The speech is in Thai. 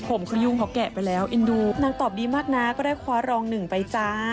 ผมเขายุ่งเขาแกะไปแล้วเอ็นดูนางตอบดีมากนะก็ได้คว้ารองหนึ่งไปจ้า